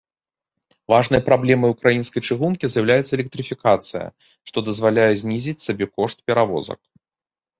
Важнай праблемай ўкраінскай чыгункі з'яўляецца электрыфікацыя, што дазваляе знізіць сабекошт перавозак.